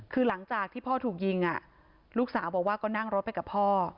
คือหลังจากที่พ่อถูกยิงลูกสาวบอกว่าก็นั่งรถไปกับพ่อ